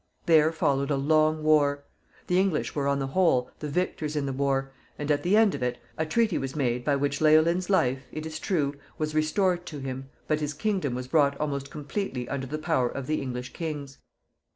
There followed a long war. The English were, on the whole, the victors in the war, and at the end of it a treaty was made by which Leolin's wife, it is true, was restored to him, but his kingdom was brought almost completely under the power of the English kings.